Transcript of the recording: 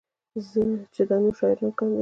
چې دا نور شاعران کاندي